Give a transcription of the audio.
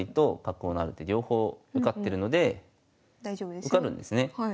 受かるんですね。